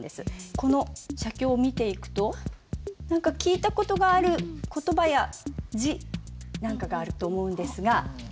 この写経を見ていくと何か聞いた事がある言葉や字なんかがあると思うんですが。